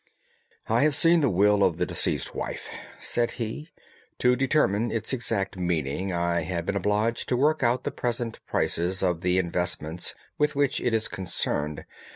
"I have seen the will of the deceased wife," said he. "To determine its exact meaning I have been obliged to work out the present prices of the investments with which it is concerned.